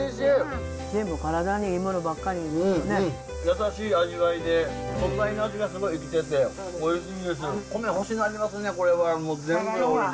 優しい味わいで素材の味がすごい生きてておいしいです。